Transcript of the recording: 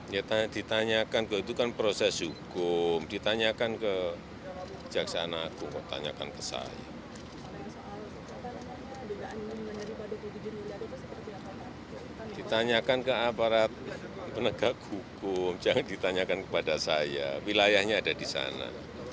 jangan ditanyakan ke aparat penegak hukum jangan ditanyakan kepada saya wilayahnya ada di sana